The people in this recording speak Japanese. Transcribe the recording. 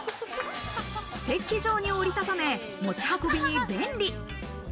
ステッキ状に折りたため持ち運びに便利。